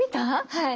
はい！